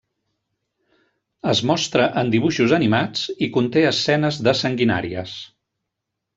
Es mostra en dibuixos animats i conté escenes de sanguinàries.